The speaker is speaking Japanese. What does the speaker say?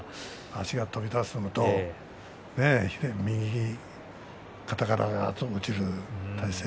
足が飛び出すのと右肩が落ちる体勢。